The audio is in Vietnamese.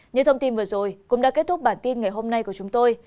những thông tin vừa rồi cũng đã kết thúc bản tin ngày hôm nay của chúng tôi